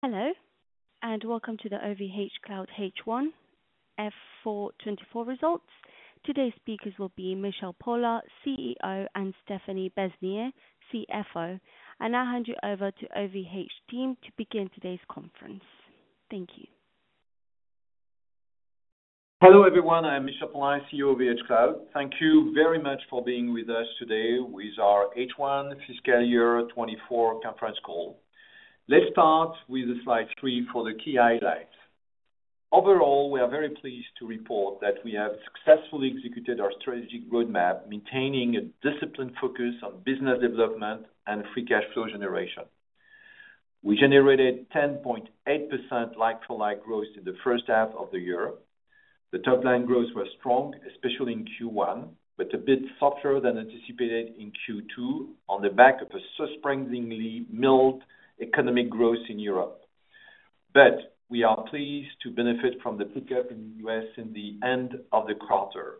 Hello, and welcome to the OVHcloud H1 FY 2024 Results. Today's speakers will be Michel Paulin, CEO, and Stéphanie Besnier, CFO. I hand you over to OVHcloud team to begin today's conference. Thank you. Hello everyone, I'm Michel Paulin, CEO of OVHcloud. Thank you very much for being with us today with our H1 Fiscal Year 2024 conference call. Let's start with slide 3 for the key highlights. Overall, we are very pleased to report that we have successfully executed our strategic roadmap, maintaining a disciplined focus on business development and free cash flow generation. We generated 10.8% like-for-like growth in the H1 of the year. The top-line growth was strong, especially in Q1, but a bit softer than anticipated in Q2 on the back of a surprisingly mild economic growth in Europe. But we are pleased to benefit from the pickup in the U.S. in the end of the quarter.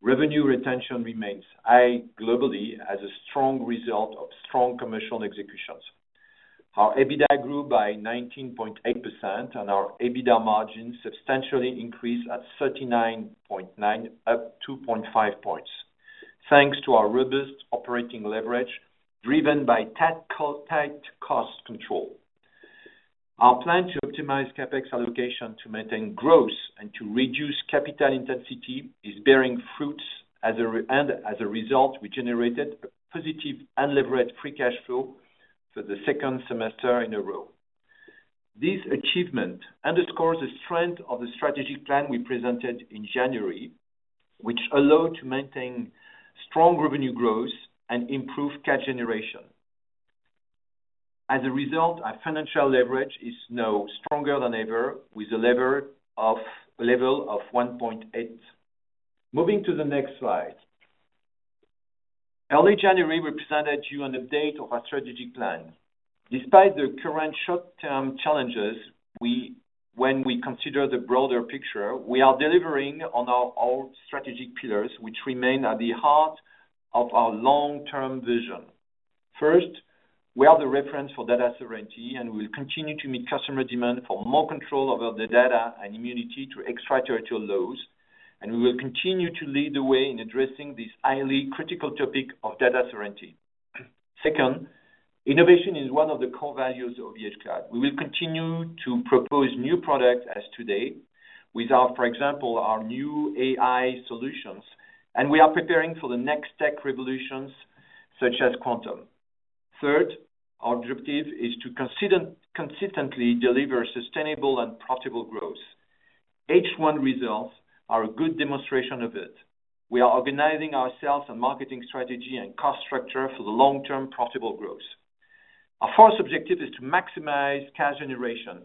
Revenue retention remains high globally as a strong result of strong commercial executions. Our EBITDA grew by 19.8%, and our EBITDA margin substantially increased at 39.9%, up 2.5 points, thanks to our robust operating leverage driven by tight cost control. Our plan to optimize CapEx allocation to maintain growth and to reduce capital intensity is bearing fruits, and as a result, we generated a positive unlevered free cash flow for the second semester in a row. This achievement underscores the strength of the strategic plan we presented in January, which allowed to maintain strong revenue growth and improve cash generation. As a result, our financial leverage is now stronger than ever with a level of 1.8. Moving to the next slide. Early January represented you an update of our strategic plan. Despite the current short-term challenges, when we consider the broader picture, we are delivering on our old strategic pillars, which remain at the heart of our long-term vision. First, we are the reference for data sovereignty, and we will continue to meet customer demand for more control over the data and immunity to extraterritorial laws. We will continue to lead the way in addressing this highly critical topic of data sovereignty. Second, innovation is one of the core values of OVHcloud. We will continue to propose new products as today with, for example, our new AI solutions, and we are preparing for the next tech revolutions such as quantum. Third, our objective is to consistently deliver sustainable and profitable growth. H1 results are a good demonstration of it. We are organizing ourselves and marketing strategy and cost structure for the long-term profitable growth. Our fourth objective is to maximize cash generation.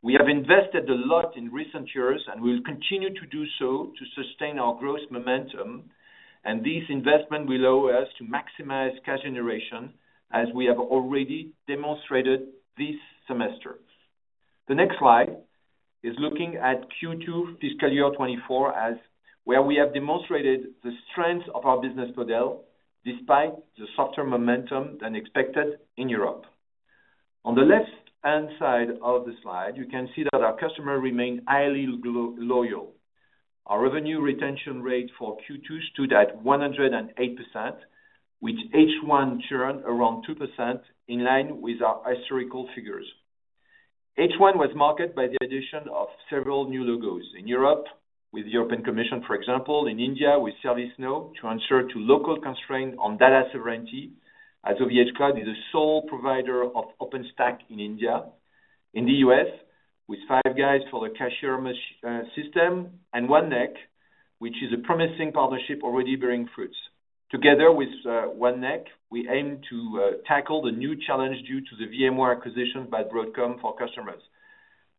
We have invested a lot in recent years, and we will continue to do so to sustain our growth momentum. This investment will allow us to maximize cash generation as we have already demonstrated this semester. The next slide is looking at Q2 Fiscal Year 2024, where we have demonstrated the strength of our business model despite the softer momentum than expected in Europe. On the left-hand side of the slide, you can see that our customers remain highly loyal. Our revenue retention rate for Q2 stood at 108%, with H1 churn around 2% in line with our historical figures. H1 was marked by the addition of several new logos in Europe with European Commission, for example, in India with ServiceNow to ensure local constraints on data sovereignty as OVHcloud is the sole provider of OpenStack in India, in the U.S. with Five Guys for the cashier system and OneNeck, which is a promising partnership already bearing fruits. Together with OneNeck, we aim to tackle the new challenge due to the VMware acquisition by Broadcom for customers,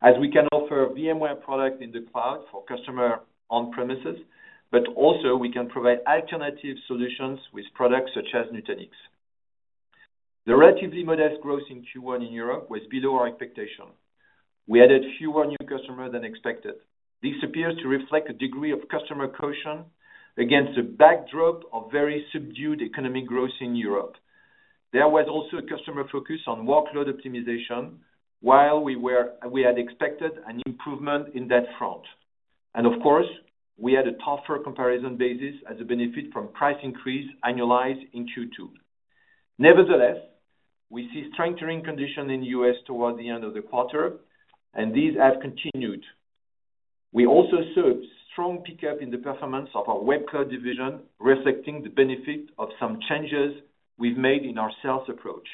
as we can offer VMware products in the cloud for customers on-premises, but also we can provide alternative solutions with products such as Nutanix. The relatively modest growth in Q1 in Europe was below our expectation. We added fewer new customers than expected. This appears to reflect a degree of customer caution against the backdrop of very subdued economic growth in Europe. There was also a customer focus on workload optimization while we had expected an improvement in that front. And of course, we had a tougher comparison basis as a benefit from price increase annualized in Q2. Nevertheless, we see strengthening conditions in the U.S. towards the end of the quarter, and these have continued. We also saw strong pickup in the performance of our Web Cloud division, reflecting the benefit of some changes we've made in our sales approach.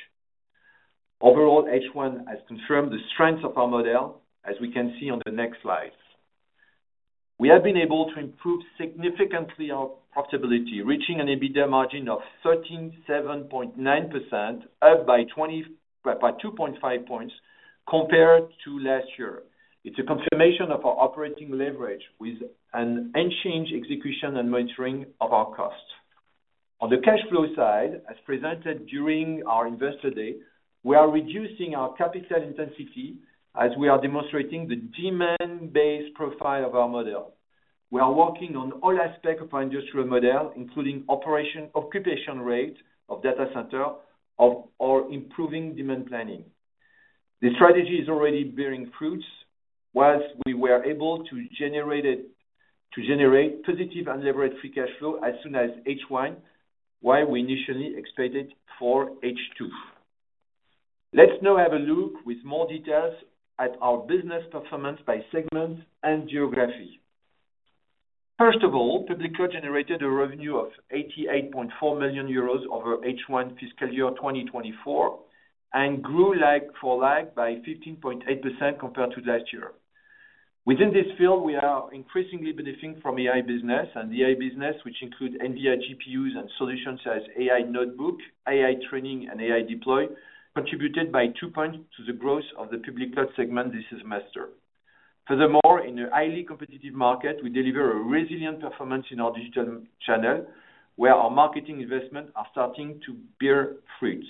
Overall, H1 has confirmed the strength of our model, as we can see on the next slide. We have been able to improve significantly our profitability, reaching an EBITDA margin of 13.7%, up by 20.5 points compared to last year. It's a confirmation of our operating leverage with an unchanged execution and monitoring of our costs. On the cash flow side, as presented during our investor day, we are reducing our capital intensity as we are demonstrating the demand-based profile of our model. We are working on all aspects of our industrial model, including operational occupation rate of data center or improving demand planning. The strategy is already bearing fruits while we were able to generate positive unlevered free cash flow as soon as H1, while we initially expected for H2. Let's now have a look with more details at our business performance by segment and geography. First of all, Public Cloud generated a revenue of 88.4 million euros over H1 Fiscal Year 2024 and grew like-for-like by 15.8% compared to last year. Within this field, we are increasingly benefiting from AI business, and the AI business, which includes NVIDIA GPUs and solutions such as AI Notebooks, AI Training, and AI Deploy, contributed by 2 points to the growth of the Public Cloud segment this semester. Furthermore, in a highly competitive market, we deliver a resilient performance in our digital channel, where our marketing investments are starting to bear fruits.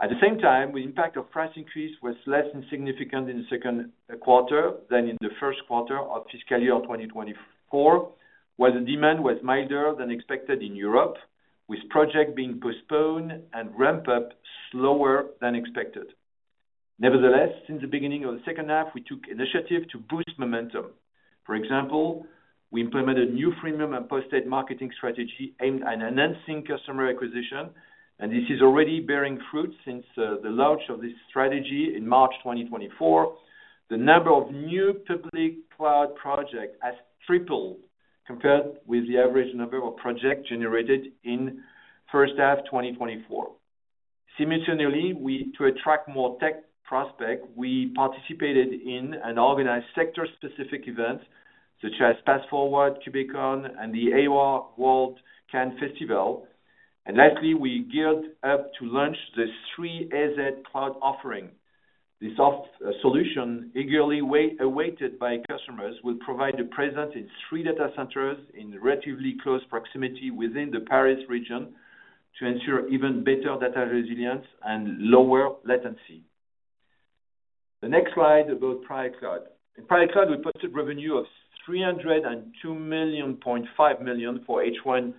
At the same time, the impact of price increase was less insignificant in the Q2 than in the Q1 of Fiscal Year 2024, while the demand was milder than expected in Europe, with projects being postponed and ramp-ups slower than expected. Nevertheless, since the beginning of the H2, we took initiative to boost momentum. For example, we implemented a new freemium and paid marketing strategy aimed at enhancing customer acquisition, and this is already bearing fruits since the launch of this strategy in March 2024. The number of new Public Cloud projects has tripled compared with the average number of projects generated in the H1 of 2024. Simultaneously, to attract more tech prospects, we participated in and organized sector-specific events such as PaaS Forward, KubeCon, and the World AI Cannes Festival. And lastly, we geared up to launch the 3-AZ Cloud offering. This solution, eagerly awaited by customers, will provide a presence in three data centers in relatively close proximity within the Paris region to ensure even better data resilience and lower latency. The next slide about Private Cloud. In Private Cloud, we posted revenue of 302.5 million for H1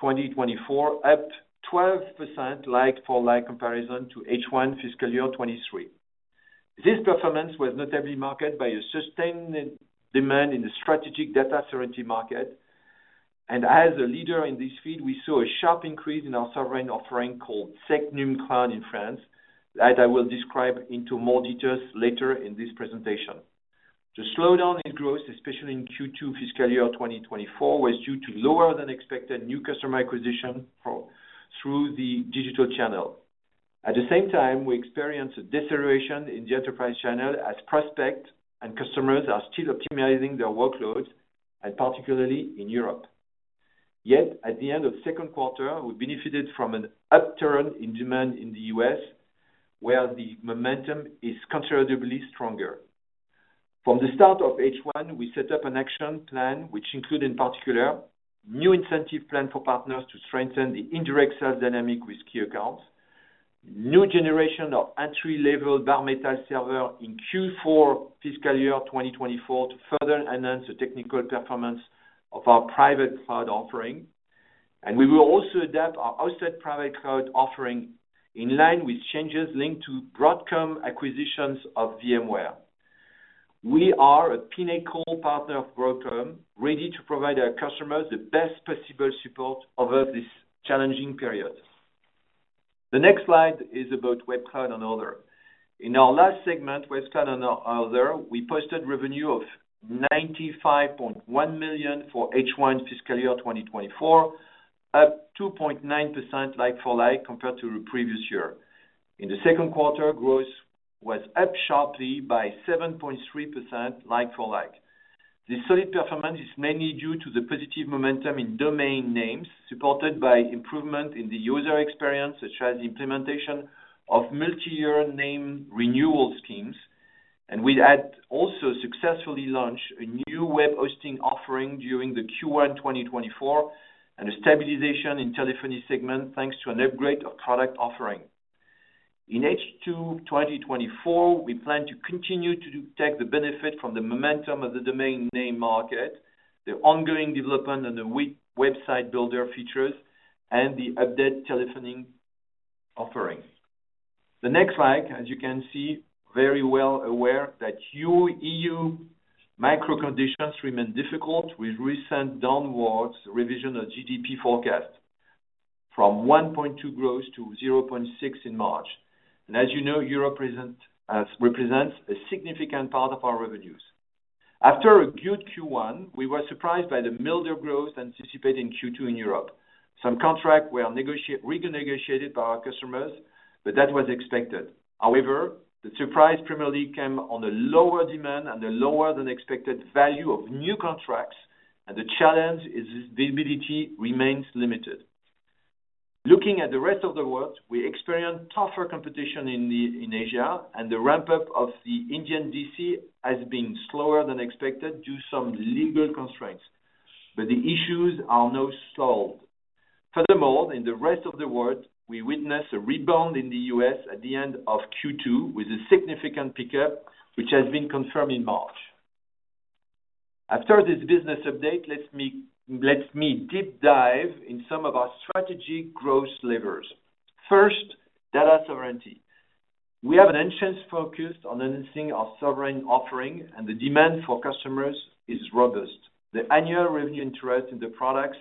2024, up 12% like-for-like comparison to H1 Fiscal Year 2023. This performance was notably marketed by a sustained demand in the strategic data sovereignty market. And as a leader in this field, we saw a sharp increase in our sovereign offering called SecNumCloud in France that I will describe in more details later in this presentation. The slowdown in growth, especially in Q2 Fiscal Year 2024, was due to lower-than-expected new customer acquisition through the digital channel. At the same time, we experienced a deceleration in the enterprise channel as prospects and customers are still optimizing their workloads, and particularly in Europe. Yet at the end of the Q2, we benefited from an upturn in demand in the U.S., where the momentum is considerably stronger. From the start of H1, we set up an action plan, which included in particular a new incentive plan for partners to strengthen the indirect sales dynamic with key accounts, a new generation of entry-level Bare Metal servers in Q4 Fiscal Year 2024 to further enhance the technical performance of our Private Cloud offering. We will also adapt our hosted Private Cloud offering in line with changes linked to Broadcom's acquisition of VMware. We are a pinnacle partner of Broadcom, ready to provide our customers the best possible support over this challenging period. The next slide is about Web Cloud and other. In our last segment, Web Cloud and other, we posted revenue of 95.1 million for H1 Fiscal Year 2024, up 2.9% like-for-like compared to the previous year. In the Q2, growth was up sharply by 7.3% like-for-like. This solid performance is mainly due to the positive momentum in domain names supported by improvements in the user experience, such as the implementation of multi-year name renewal schemes. We had also successfully launched a new web hosting offering during the Q1 2024 and a stabilization in telephony segment thanks to an upgrade of product offering. In H2 2024, we plan to continue to take the benefit from the momentum of the domain name market, the ongoing development on the website builder features, and the updated telephony offering. The next slide, as you can see, very well aware that EU macro-conditions remain difficult with recent downward revision of GDP forecast from 1.2% growth to 0.6% in March. As you know, Europe represents a significant part of our revenues. After a good Q1, we were surprised by the milder growth anticipated in Q2 in Europe. Some contracts were renegotiated by our customers, but that was expected. However, the surprise primarily came on the lower demand and the lower-than-expected value of new contracts, and the challenge is visibility remains limited. Looking at the rest of the world, we experience tougher competition in Asia, and the ramp-up of the Indian DC has been slower than expected due to some legal constraints. The issues are now solved. Furthermore, in the rest of the world, we witnessed a rebound in the U.S. at the end of Q2 with a significant pickup, which has been confirmed in March. After this business update, let me deep dive in some of our strategic growth levers. First, data sovereignty. We have an intense focus on enhancing our sovereign offering, and the demand for customers is robust. The annual revenue interest in the products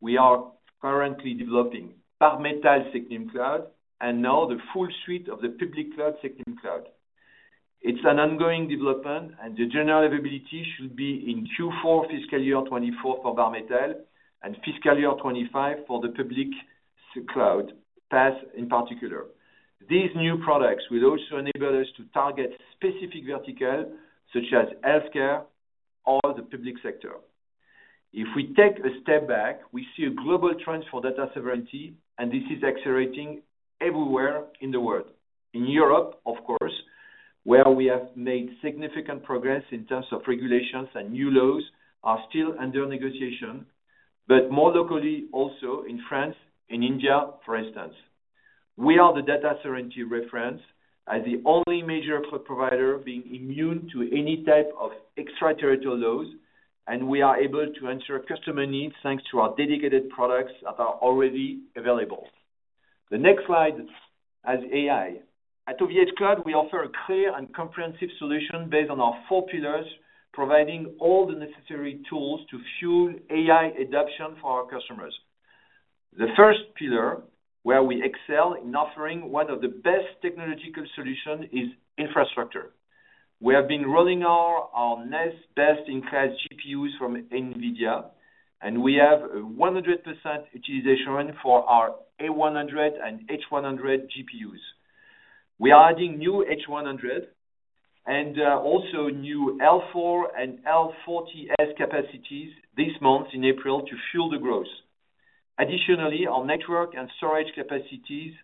we are currently developing are Bare Metal SecNumCloud and now the full suite of the Public Cloud SecNumCloud. It's an ongoing development, and the general availability should be in Q4 fiscal year 2024 for Bare Metal and fiscal year 2025 for the Public Cloud in particular. These new products will also enable us to target specific verticals such as healthcare or the public sector. If we take a step back, we see a global trend for data sovereignty, and this is accelerating everywhere in the world. In Europe, of course, where we have made significant progress in terms of regulations and new laws, are still under negotiation, but more locally also in France and India, for instance. We are the data sovereignty reference as the only major cloud provider being immune to any type of extraterritorial laws, and we are able to answer customer needs thanks to our dedicated products that are already available. The next slide has AI. At OVHcloud, we offer a clear and comprehensive solution based on our four pillars, providing all the necessary tools to fuel AI adoption for our customers. The first pillar, where we excel in offering one of the best technological solutions, is infrastructure. We have been rolling out our next best-in-class GPUs from NVIDIA, and we have 100% utilization for our A100 and H100 GPUs. We are adding new H100 and also new L4 and L40S capacities this month in April to fuel the growth. Additionally, our network and storage capacities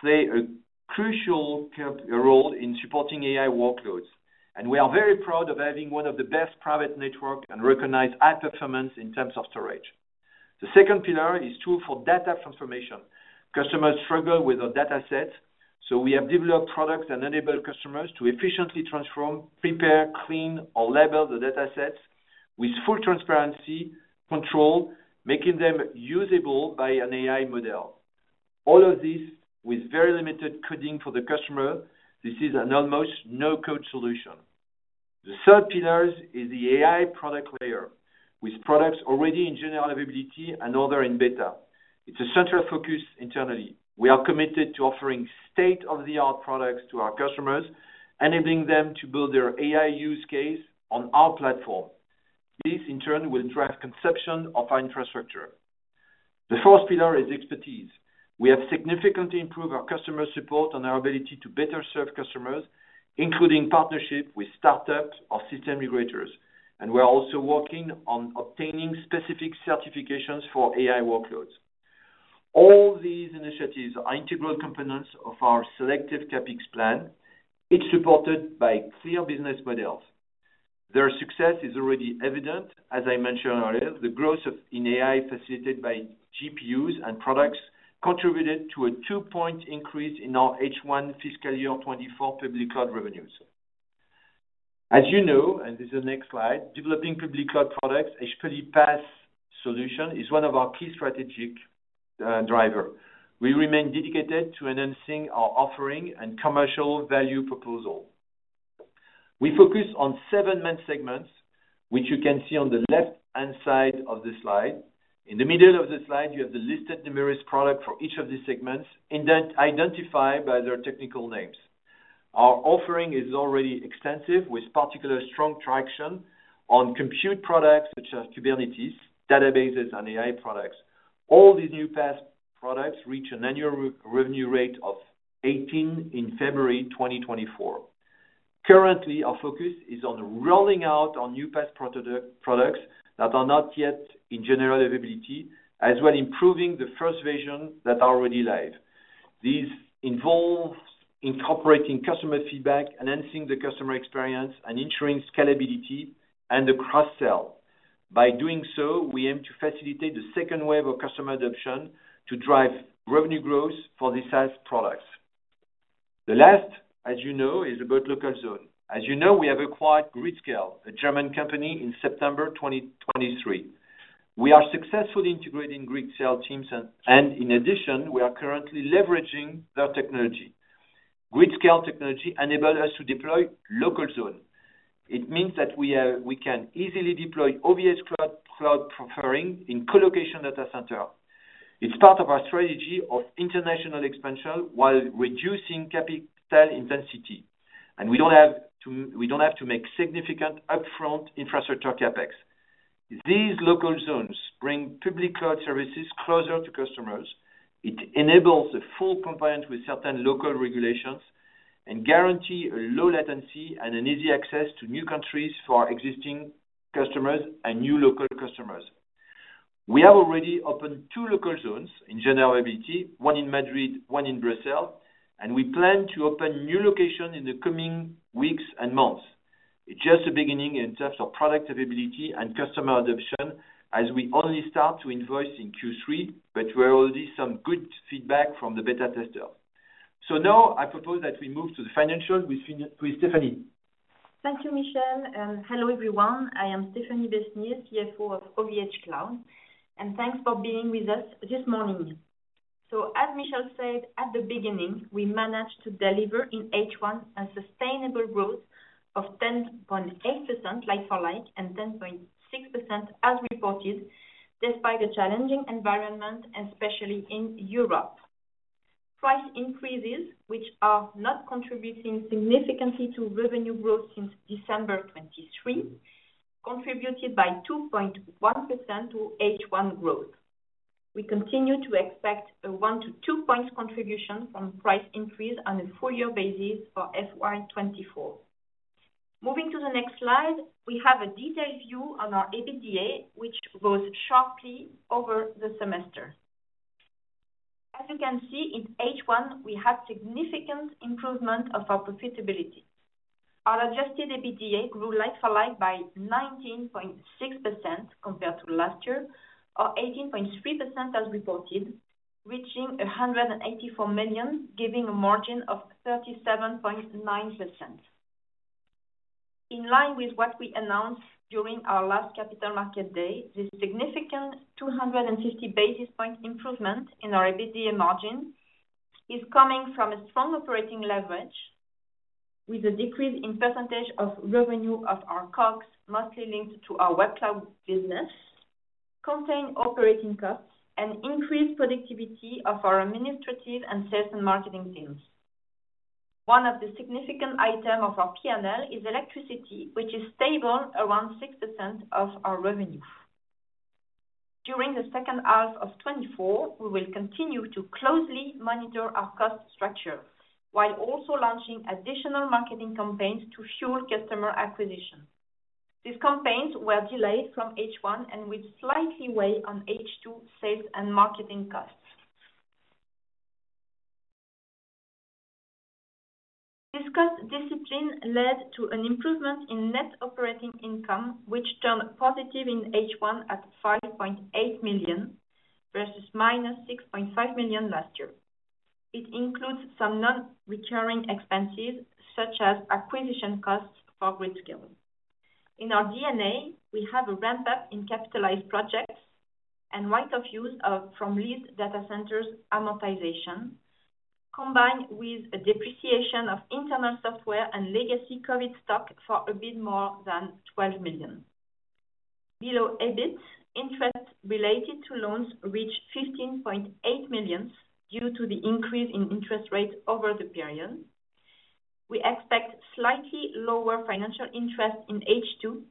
play a crucial role in supporting AI workloads, and we are very proud of having one of the best private networks and recognized high performance in terms of storage. The second pillar is true for data transformation. Customers struggle with our datasets, so we have developed products that enable customers to efficiently transform, prepare, clean, or label the datasets with full transparency control, making them usable by an AI model. All of this with very limited coding for the customer. This is an almost no-code solution. The third pillar is the AI product layer with products already in general availability and other in beta. It's a central focus internally. We are committed to offering state-of-the-art products to our customers, enabling them to build their AI use case on our platform. This, in turn, will drive the conception of our infrastructure. The fourth pillar is expertise. We have significantly improved our customer support and our ability to better serve customers, including partnerships with startups or system integrators. We are also working on obtaining specific certifications for AI workloads. All these initiatives are integral components of our selective CapEx plan. It's supported by clear business models. Their success is already evident, as I mentioned earlier. The growth in AI facilitated by GPUs and products contributed to a 2-point increase in our H1 Fiscal Year 2024 Public Cloud revenues. As you know, and this is the next slide, developing Public Cloud products, HPE PaaS solution is one of our key strategic drivers. We remain dedicated to enhancing our offering and commercial value proposition. We focus on seven main segments, which you can see on the left-hand side of the slide. In the middle of the slide, you have the listed numerous products for each of these segments identified by their technical names. Our offering is already extensive with particularly strong traction on compute products such as Kubernetes, databases, and AI products. All these new PaaS products reach an annual revenue rate of 18 million in February 2024. Currently, our focus is on rolling out our new PaaS products that are not yet in general availability, as well as improving the first version that is already live. This involves incorporating customer feedback, enhancing the customer experience, and ensuring scalability and the cross-sell. By doing so, we aim to facilitate the second wave of customer adoption to drive revenue growth for these SaaS products. The last, as you know, is about local zone. As you know, we have acquired Gridscale, a German company, in September 2023. We are successfully integrating Gridscale teams, and in addition, we are currently leveraging their technology. Gridscale technology enables us to deploy local zone. It means that we can easily deploy OVHcloud offerings in colocation data centers. It's part of our strategy of international expansion while reducing capital intensity. We don't have to make significant upfront infrastructure CapEx. These local zones bring Public Cloud services closer to customers. It enables full compliance with certain local regulations and guarantees low latency and easy access to new countries for existing customers and new local customers. We have already opened two local zones in general availability, one in Madrid, one in Brussels, and we plan to open new locations in the coming weeks and months. It's just the beginning in terms of product availability and customer adoption as we only start to invoice in Q3, but we already have some good feedback from the beta testers. So now I propose that we move to the financials with Stéphanie. Thank you, Michel. And hello, everyone. I am Stéphanie Besnier, CFO of OVHcloud. And thanks for being with us this morning. So as Michel said at the beginning, we managed to deliver in H1 a sustainable growth of 10.8% like-for-like and 10.6% as reported, despite the challenging environment, especially in Europe. Price increases, which are not contributing significantly to revenue growth since December 23, contributed by 2.1% to H1 growth. We continue to expect a 1-2-point contribution from price increase on a full-year basis for FY 2024. Moving to the next slide, we have a detailed view on our EBITDA, which rose sharply over the semester. As you can see, in H1, we had significant improvement of our profitability. Our adjusted EBITDA grew like-for-like by 19.6% compared to last year, or 18.3% as reported, reaching 184 million, giving a margin of 37.9%. In line with what we announced during our last Capital Market Day, this significant 250 basis point improvement in our EBITDA margin is coming from a strong operating leverage with a decrease in percentage of revenue of our COGS, mostly linked to our Web Cloud business, contained operating costs, and increased productivity of our administrative and sales and marketing teams. One of the significant items of our P&L is electricity, which is stable around 6% of our revenue. During the H2 of 2024, we will continue to closely monitor our cost structure while also launching additional marketing campaigns to fuel customer acquisition. These campaigns were delayed from H1 and would slightly weigh on H2 sales and marketing costs. This cost discipline led to an improvement in net operating income, which turned positive in H1 at 5.8 million versus -6.5 million last year. It includes some non-recurring expenses such as acquisition costs for Gridscale. In our DNA, we have a ramp-up in capitalized projects and right-of-use from leased data centers amortization, combined with a depreciation of internal software and legacy COVID stock for a bit more than 12 million. Below EBIT, interest related to loans reached 15.8 million due to the increase in interest rates over the period. We expect slightly lower financial interest in H2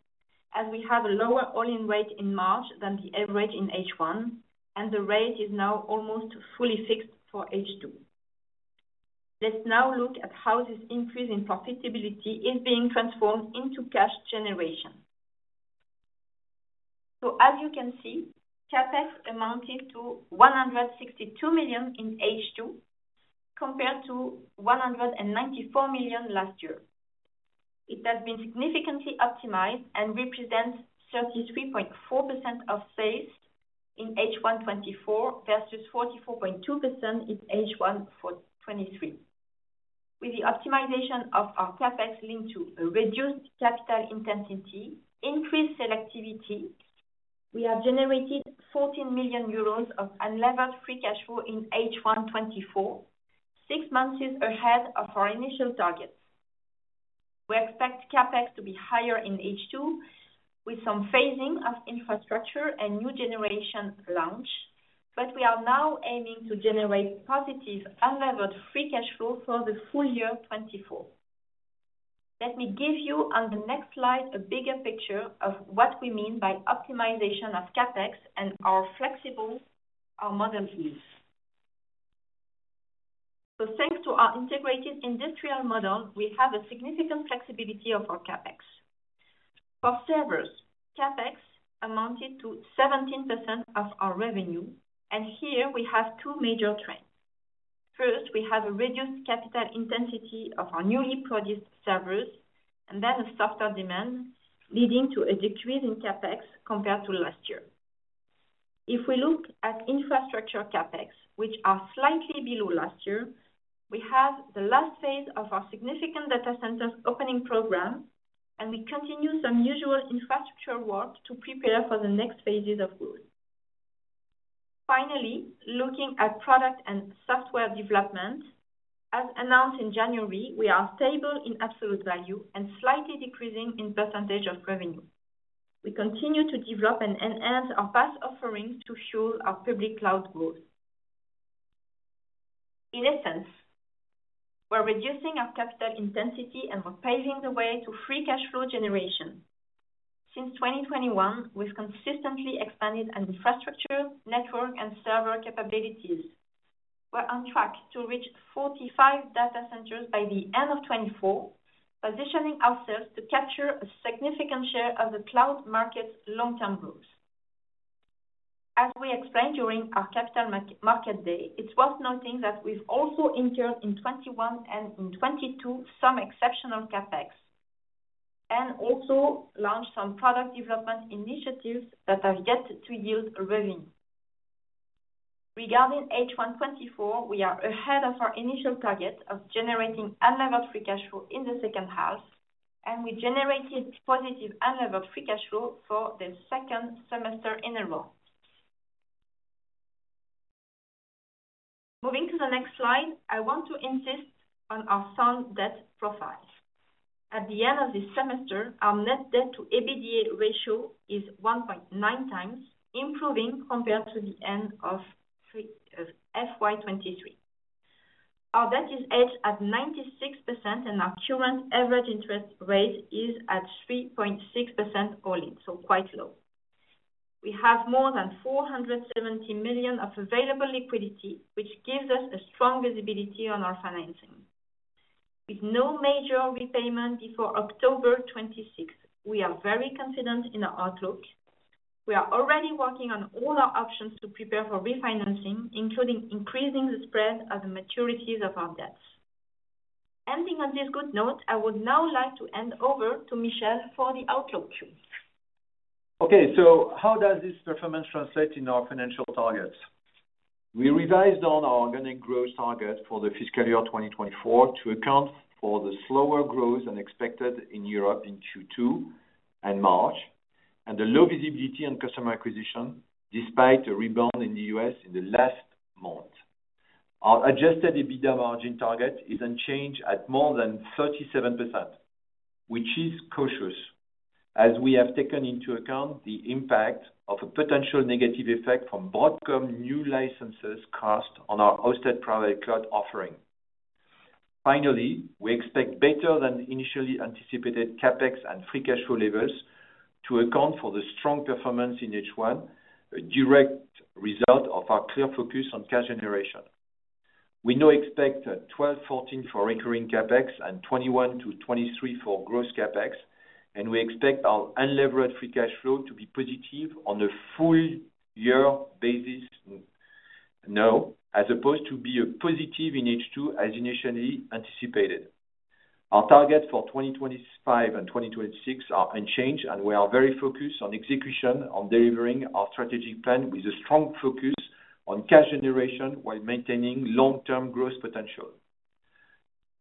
as we have a lower all-in rate in March than the average in H1, and the rate is now almost fully fixed for H2. Let's now look at how this increase in profitability is being transformed into cash generation. So as you can see, CapEx amounted to 162 million in H2 compared to 194 million last year. It has been significantly optimized and represents 33.4% of sales in H1 2024 versus 44.2% in H1 2023. With the optimization of our CapEx linked to reduced capital intensity and increased selectivity, we have generated 14 million euros of unlevered free cash flow in H1 2024, six months ahead of our initial target. We expect CapEx to be higher in H2 with some phasing of infrastructure and new generation launch, but we are now aiming to generate positive unlevered free cash flow for the full year 2024. Let me give you on the next slide a bigger picture of what we mean by optimization of CapEx and our flexible model use. So thanks to our integrated industrial model, we have a significant flexibility of our CapEx. For servers, CapEx amounted to 17% of our revenue, and here we have two major trends. First, we have a reduced capital intensity of our newly produced servers and then a softer demand, leading to a decrease in CapEx compared to last year. If we look at infrastructure CapEx, which is slightly below last year, we have the last phase of our significant data centers opening program, and we continue some usual infrastructure work to prepare for the next phases of growth. Finally, looking at product and software development, as announced in January, we are stable in absolute value and slightly decreasing in percentage of revenue. We continue to develop and enhance our PaaS offerings to fuel our Public Cloud growth. In essence, we're reducing our capital intensity and we're paving the way to free cash flow generation. Since 2021, we've consistently expanded our infrastructure, network, and server capabilities. We're on track to reach 45 data centers by the end of 2024, positioning ourselves to capture a significant share of the cloud market's long-term growth. As we explained during our Capital Market Day, it's worth noting that we've also incurred in 2021 and in 2022 some exceptional CapEx and also launched some product development initiatives that have yet to yield revenue. Regarding H1 2024, we are ahead of our initial target of generating unlevered free cash flow in the H2, and we generated positive unlevered free cash flow for the second semester in a row. Moving to the next slide, I want to insist on our sound debt profile. At the end of this semester, our net debt-to-EBITDA ratio is 1.9x, improving compared to the end of FY 2023. Our debt is at 96%, and our current average interest rate is at 3.6% all-in, so quite low. We have more than 470 million of available liquidity, which gives us a strong visibility on our financing. With no major repayment before 26 October, we are very confident in our outlook. We are already working on all our options to prepare for refinancing, including increasing the spread of the maturities of our debts. Ending on this good note, I would now like to hand over to Michel for the outlook cue. Okay, so how does this performance translate in our financial targets? We revised on our organic growth target for the fiscal year 2024 to account for the slower growth than expected in Europe in Q2 and March and the low visibility on customer acquisition despite a rebound in the U.S. in the last month. Our adjusted EBITDA margin target is unchanged at more than 37%, which is cautious as we have taken into account the impact of a potential negative effect from Broadcom new licenses cost on our hosted private cloud offering. Finally, we expect better than initially anticipated CapEx and free cash flow levels to account for the strong performance in H1, a direct result of our clear focus on cash generation. We now expect 12-14 for recurring CapEx and 21-23 for gross CapEx, and we expect our unlevered free cash flow to be positive on a full-year basis now as opposed to being positive in H2 as initially anticipated. Our targets for 2025 and 2026 are unchanged, and we are very focused on execution on delivering our strategic plan with a strong focus on cash generation while maintaining long-term growth potential.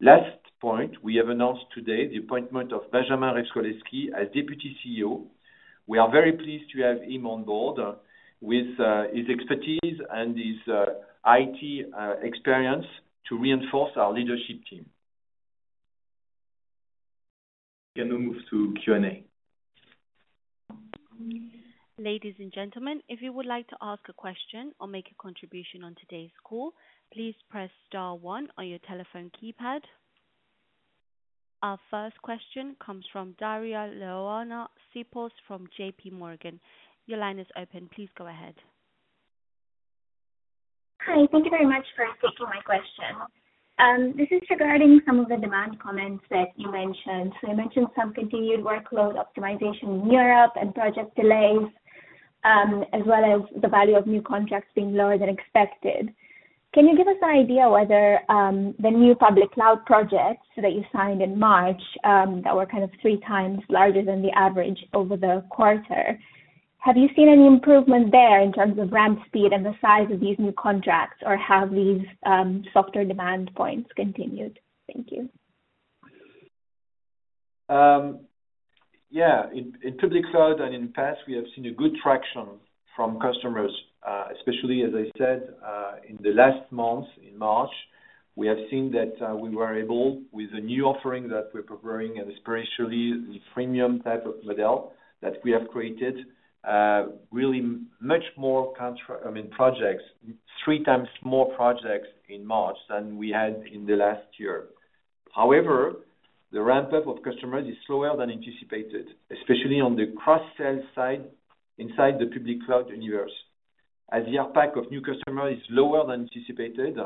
Last point, we have announced today the appointment of Benjamin Revcolevschi as Deputy CEO. We are very pleased to have him on board with his expertise and his IT experience to reinforce our leadership team. We can now move to Q&A. Ladies and gentlemen, if you would like to ask a question or make a contribution on today's call, please press star one on your telephone keypad. Our first question comes from Daria-Leona Sipos from JP Morgan. Your line is open. Please go ahead. Hi. Thank you very much for taking my question. This is regarding some of the demand comments that you mentioned. So you mentioned some continued workload optimization in Europe and project delays as well as the value of new contracts being lower than expected. Can you give us an idea whether the new Public Cloud projects that you signed in March that were kind of three times larger than the average over the quarter, have you seen any improvement there in terms of ramp speed and the size of these new contracts, or have these softer demand points continued? Thank you. Yeah. In Public Cloud and in PaaS, we have seen a good traction from customers, especially, as I said, in the last month, in March. We have seen that we were able, with the new offering that we're preparing and especially the premium type of model that we have created, really much more projects, 3 times more projects in March than we had in the last year. However, the ramp-up of customers is slower than anticipated, especially on the cross-sell side inside the Public Cloud universe, as the ARPAC of new customers is lower than anticipated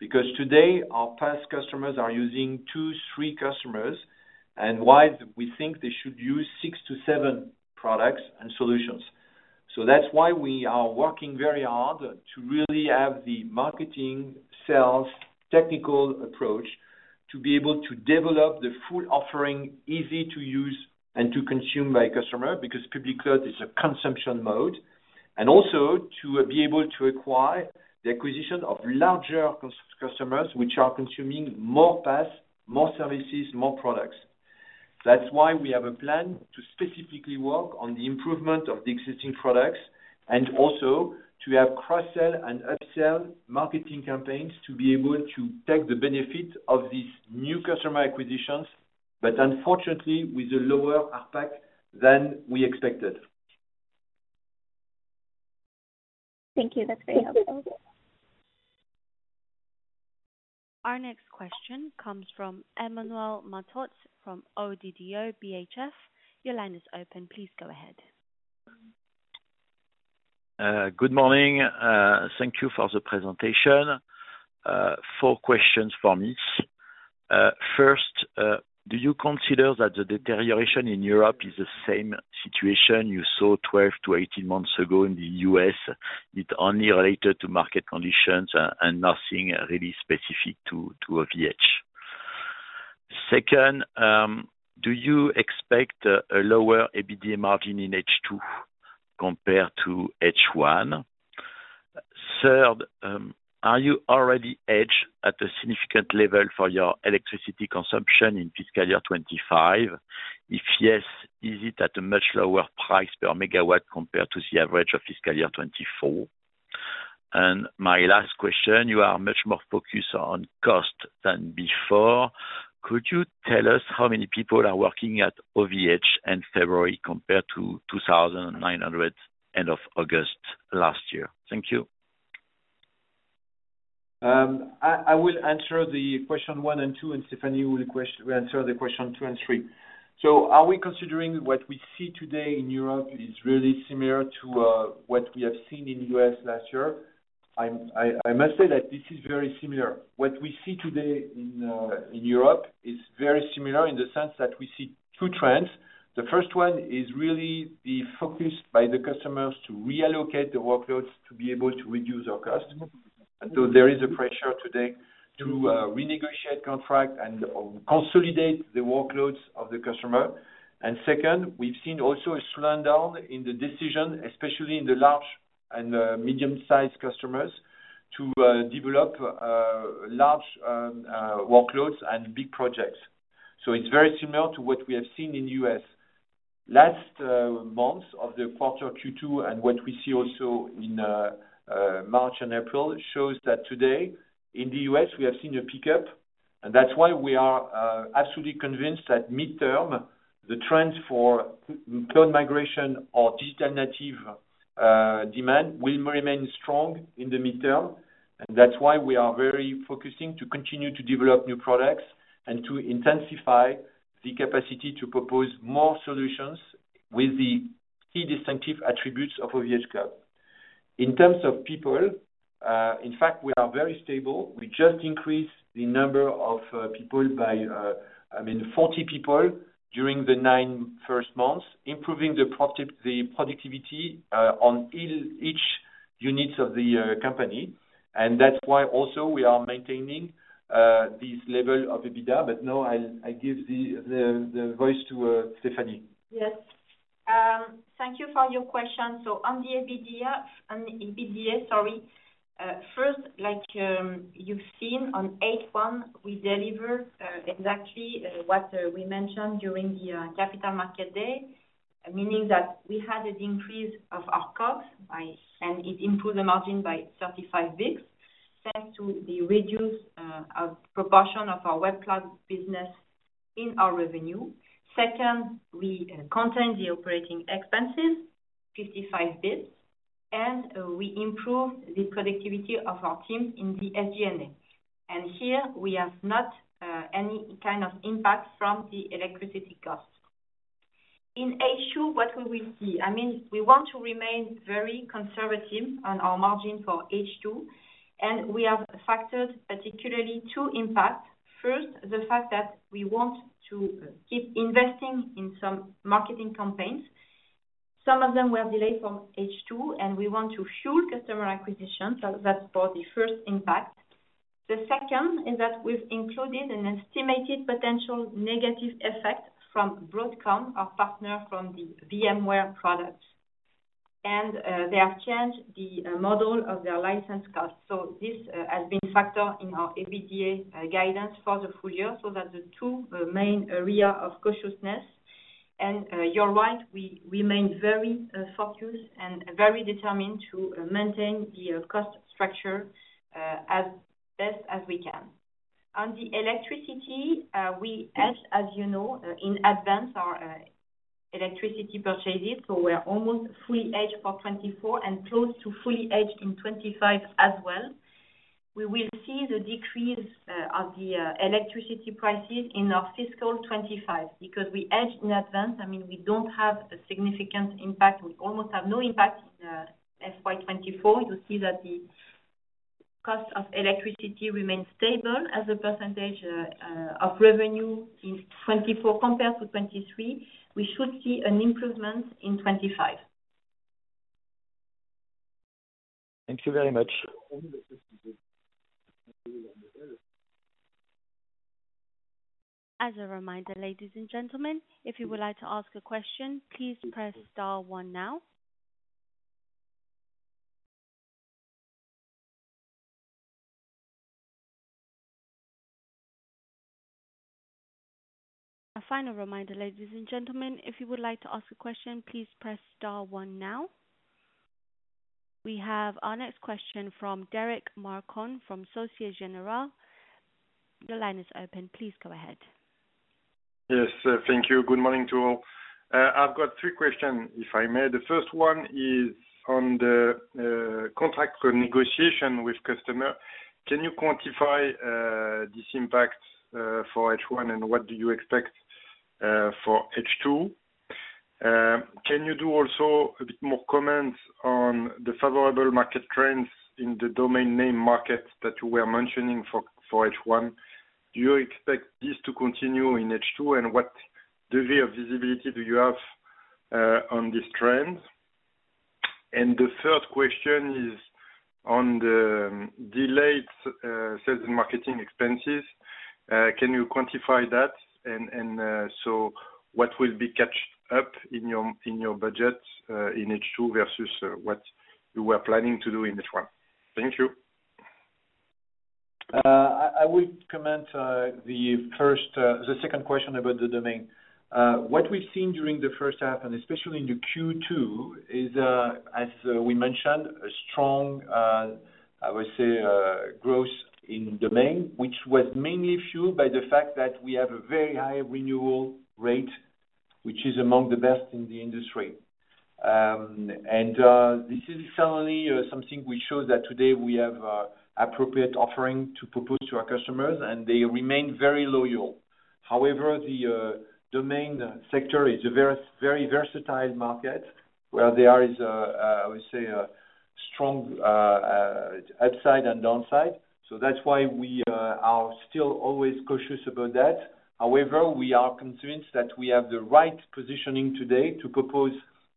because today, our PaaS customers are using 2, 3 customers, and while we think they should use 6-7 products and solutions. So that's why we are working very hard to really have the marketing, sales, technical approach to be able to develop the full offering, easy to use and to consume by customer because Public Cloud is a consumption mode, and also to be able to acquire the acquisition of larger customers, which are consuming more PaaS, more services, more products. That's why we have a plan to specifically work on the improvement of the existing products and also to have cross-sell and upsell marketing campaigns to be able to take the benefit of these new customer acquisitions, but unfortunately, with a lower ARPAC than we expected. Thank you. That's very helpful. Our next question comes from Emmanuel Matot from ODDO BHF. Your line is open. Please go ahead. Good morning. Thank you for the presentation. Four questions for me. First, do you consider that the deterioration in Europe is the same situation you saw 12-18 months ago in the U.S.? It's only related to market conditions and nothing really specific to OVH. Second, do you expect a lower EBITDA margin in H2 compared to H1? Third, are you already hedged at a significant level for your electricity consumption in fiscal year 2025? If yes, is it at a much lower price per megawatt compared to the average of fiscal year 2024? And my last question, you are much more focused on cost than before. Could you tell us how many people are working at OVH in February compared to 2,900 end of August last year? Thank you. I will answer the question one and two, and Stéphanie will answer the question two and three. Are we considering what we see today in Europe is really similar to what we have seen in the U.S. last year? I must say that this is very similar. What we see today in Europe is very similar in the sense that we see two trends. The first one is really the focus by the customers to reallocate the workloads to be able to reduce their costs. So there is a pressure today to renegotiate contract and consolidate the workloads of the customer. Second, we've seen also a slowdown in the decision, especially in the large and medium-sized customers to develop large workloads and big projects. So it's very similar to what we have seen in the U.S. Last months of the quarter Q2 and what we see also in March and April shows that today, in the U.S., we have seen a pickup, and that's why we are absolutely convinced that midterm, the trend for cloud migration or digital native demand will remain strong in the midterm. And that's why we are very focusing to continue to develop new products and to intensify the capacity to propose more solutions with the key distinctive attributes of OVHcloud. In terms of people, in fact, we are very stable. We just increased the number of people by, I mean, 40 people during the nine first months, improving the productivity on each unit of the company. And that's why also we are maintaining this level of EBITDA. But now I'll give the voice to Stéphanie. Yes. Thank you for your question. So on the EBITDA, sorry, first, like you've seen on H1, we deliver exactly what we mentioned during the Capital Market Day, meaning that we had an increase of our COGS by. And it improved the margin by 35 basis points thanks to the reduced proportion of our Web Cloud business in our revenue. Second, we contained the operating expenses, 55 basis points, and we improved the productivity of our team in the SG&A. And here, we have not any kind of impact from the electricity costs. In H2, what will we see? I mean, we want to remain very conservative on our margin for H2, and we have factored particularly two impacts. First, the fact that we want to keep investing in some marketing campaigns. Some of them were delayed from H2, and we want to fuel customer acquisition. So that's for the first impact. The second is that we've included an estimated potential negative effect from Broadcom, our partner for the VMware products. They have changed the model of their license costs. This has been a factor in our EBITDA guidance for the full year, so that the two main areas of cautiousness. You're right, we remain very focused and very determined to maintain the cost structure as best as we can. On the electricity, we hedge, as you know, in advance our electricity purchases. We're almost fully hedged for 2024 and close to fully hedged in 2025 as well. We will see the decrease of the electricity prices in our fiscal 2025 because we hedge in advance. I mean, we don't have a significant impact. We almost have no impact in FY 2024. You see that the cost of electricity remains stable as a percentage of revenue in 2024 compared to 2023. We should see an improvement in 2025. Thank you very much. As a reminder, ladies and gentlemen, if you would like to ask a question, please press star one now. A final reminder, ladies and gentlemen, if you would like to ask a question, please press star one now. We have our next question from Derric Marcon from Société Générale. Your line is open. Please go ahead. Yes. Thank you. Good morning to all. I've got three questions, if I may. The first one is on the contract renegotiation with customers. Can you quantify this impact for H1, and what do you expect for H2? Can you do also a bit more comments on the favorable market trends in the domain name market that you were mentioning for H1? Do you expect this to continue in H2, and what degree of visibility do you have on these trends? And the third question is on the delayed sales and marketing expenses. Can you quantify that? And so what will be caught up in your budget in H2 versus what you were planning to do in H1? Thank you. I will comment the second question about the domain. What we've seen during the H1, and especially in the Q2, is, as we mentioned, a strong, I would say, growth in domain, which was mainly fueled by the fact that we have a very high renewal rate, which is among the best in the industry. And this is certainly something which shows that today, we have an appropriate offering to propose to our customers, and they remain very loyal. However, the domain sector is a very versatile market where there is, I would say, a strong upside and downside. So that's why we are still always cautious about that. However, we are convinced that we have the right positioning today to propose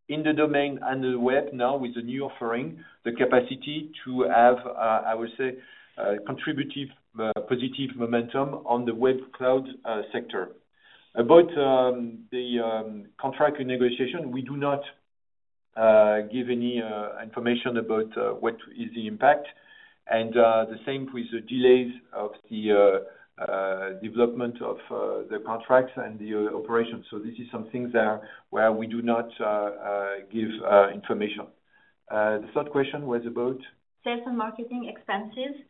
in the domain and the web now with the new offering, the capacity to have, I would say, contributive positive momentum on the Web Cloud sector. About the contract renegotiation, we do not give any information about what is the impact, and the same with the delays of the development of the contracts and the operations. So this is something where we do not give information. The third question was about sales and marketing expenses.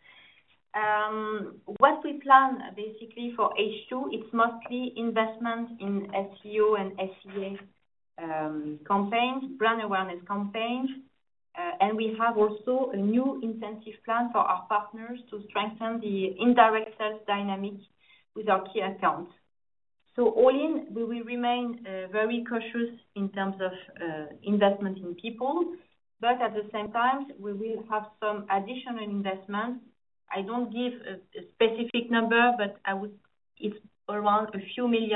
What we plan, basically, for H2, it's mostly investment in SEO and SEA campaigns, brand awareness campaigns. We have also a new incentive plan for our partners to strengthen the indirect sales dynamic with our key accounts. So all in, we will remain very cautious in terms of investment in people, but at the same time, we will have some additional investments. I don't give a specific number, but it's around a few million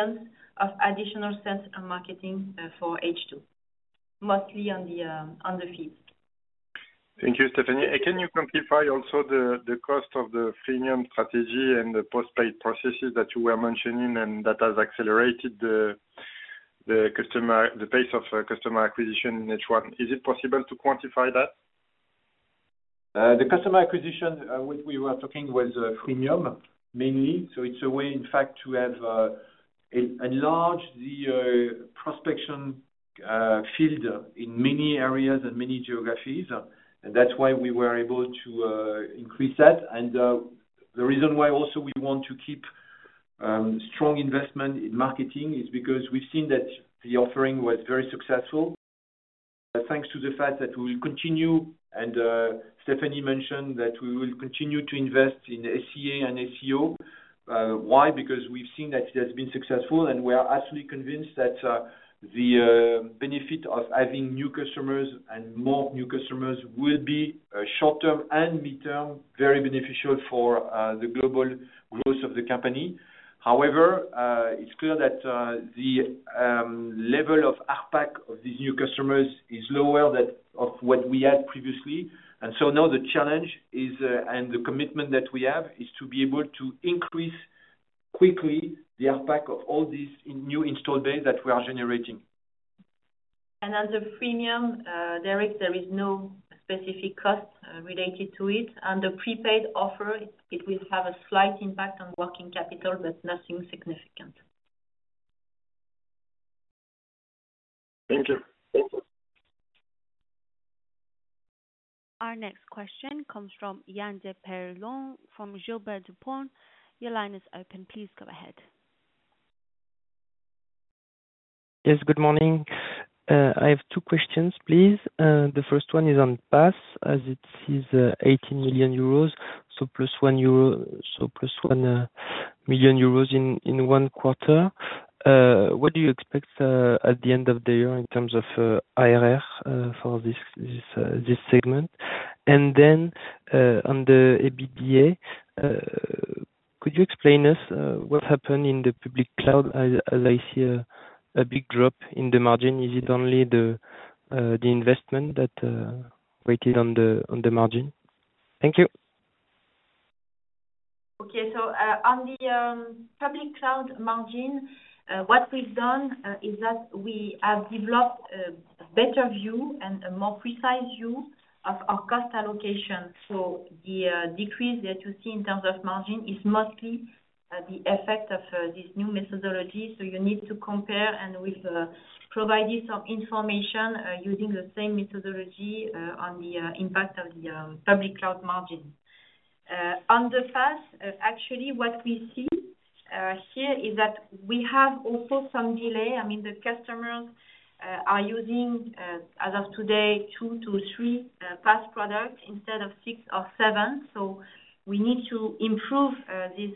EUR of additional sales and marketing for H2, mostly on the fees. Thank you, Stéphanie. Can you quantify also the cost of the freemium strategy and the postpaid processes that you were mentioning and that has accelerated the pace of customer acquisition in H1? Is it possible to quantify that? The customer acquisition we were talking was freemium, mainly. So it's a way, in fact, to enlarge the prospection field in many areas and many geographies. And that's why we were able to increase that. The reason why also we want to keep strong investment in marketing is because we've seen that the offering was very successful thanks to the fact that we will continue, and Stephanie mentioned that we will continue to invest in SEA and SEO. Why? Because we've seen that it has been successful, and we are absolutely convinced that the benefit of having new customers and more new customers will be short-term and midterm very beneficial for the global growth of the company. However, it's clear that the level of ARPAC of these new customers is lower than what we had previously. So now the challenge and the commitment that we have is to be able to increase quickly the ARPAC of all these new installed bays that we are generating. And on the freemium, Derek, there is no specific cost related to it. On the prepaid offer, it will have a slight impact on working capital, but nothing significant. Thank you. Our next question comes from Yann Derocles, from Gilbert Dupont. Your line is open. Please go ahead. Yes. Good morning. I have two questions, please. The first one is on PaaS, as it is 18 million euros, so plus 1 million euros in one quarter. What do you expect at the end of the year in terms of ARR for this segment? And then on the EBITDA, could you explain to us what happened in the public cloud as I see a big drop in the margin? Is it only the investment that weighed on the margin? Thank you. Okay. So on the public cloud margin, what we've done is that we have developed a better view and a more precise view of our cost allocation. So the decrease that you see in terms of margin is mostly the effect of this new methodology. So you need to compare, and we've provided some information using the same methodology on the impact of the Public Cloud margin. On the PaaS, actually, what we see here is that we have also some delay. I mean, the customers are using, as of today, 2-3 PaaS products instead of 6 or 7. So we need to improve this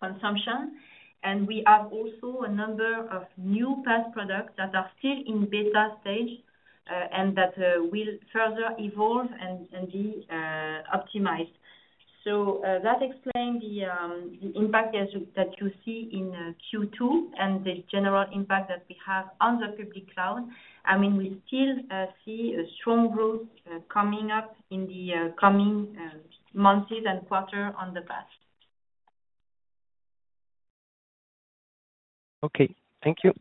consumption. And we have also a number of new PaaS products that are still in beta stage and that will further evolve and be optimized. So that explains the impact that you see in Q2 and the general impact that we have on the Public Cloud. I mean, we still see a strong growth coming up in the coming months and quarters on the PaaS. Okay. Thank you.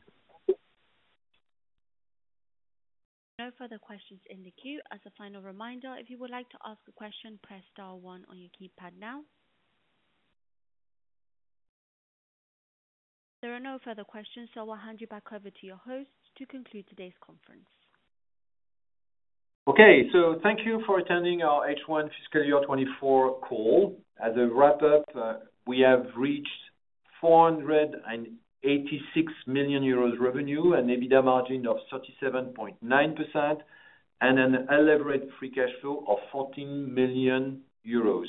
No further questions in the queue. As a final reminder, if you would like to ask a question, press star one on your keypad now. There are no further questions, so I will hand you back over to your host to conclude today's conference. Okay. So thank you for attending our H1 fiscal year 2024 call. As a wrap-up, we have reached 486 million euros revenue and an EBITDA margin of 37.9% and an elevated free cash flow of 14 million euros.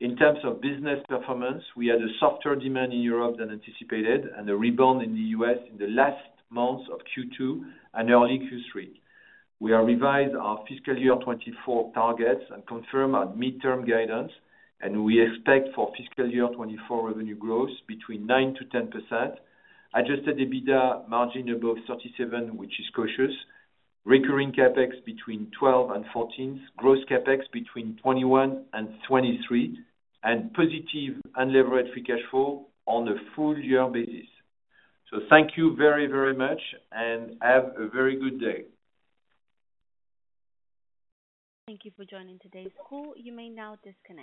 In terms of business performance, we had a softer demand in Europe than anticipated and a rebound in the US in the last months of Q2 and early Q3. We have revised our fiscal year 2024 targets and confirmed our mid-term guidance, and we expect for fiscal year 2024 revenue growth between 9%-10%, adjusted EBITDA margin above 37%, which is cautious, recurring CapEx between 12%-14%, gross CapEx between 21%-23%, and positive unlevered free cash flow on a full year basis. So thank you very, very much, and have a very good day. Thank you for joining today's call. You may now disconnect.